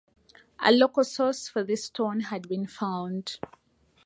A local source for this stone had been found.